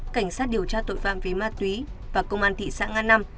cảnh sát điều tra tội phạm về ma túy và công an thị xã nga năm